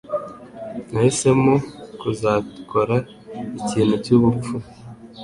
Nahisemo kutazakora ikintu cyubupfu.